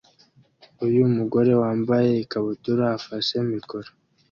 Uyu mugore wambaye ikabutura afashe mikoro